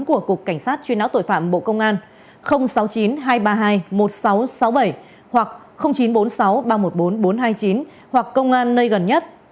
của cục cảnh sát truy não tội phạm bộ công an sáu mươi chín hai trăm ba mươi hai một nghìn sáu trăm sáu mươi bảy hoặc chín trăm bốn mươi sáu ba trăm một mươi bốn nghìn bốn trăm hai mươi chín hoặc công an nơi gần nhất